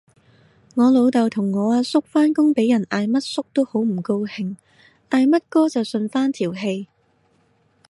我老豆同我阿叔返工俾人嗌乜叔都好唔高興，嗌乜哥就順返條氣